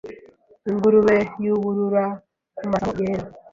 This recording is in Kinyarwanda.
Ingurube yubururu kumasaho yera